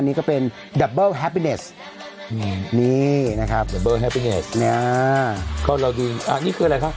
นี่ก็เป็นดับเบิ้ลแฮปปิเนสนี่นะครับดับเบิ้ลแฮปปิเนสอ่านี่คืออะไรครับ